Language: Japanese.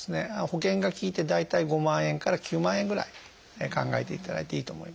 保険が利いて大体５万円から９万円ぐらい考えていただいていいと思います。